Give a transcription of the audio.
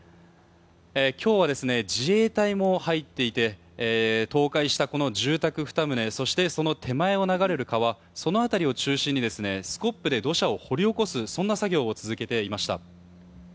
今日は自衛隊も入っていて倒壊したこの住宅２棟そしてその手前を流れる川その辺りを中心にスコップで土砂を掘り起こすそんな作業を続けていました。